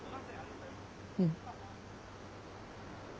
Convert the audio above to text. うん。